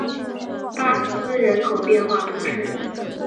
巴斯人口变化图示